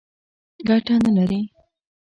ګټه نه لري.